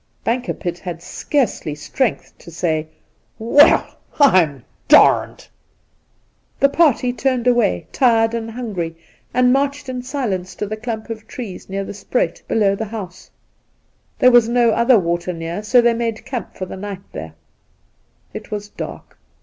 Bankerpitt had scarcely strength to say, ' Well, I'md d!' The party turned away, tired and hungry, and marched in silence to the clump of trees near the spruit below the house. There was no other water near, so they made camp for the night there. It was dark.